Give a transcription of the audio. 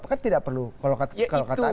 karena tidak perlu kalau kata kata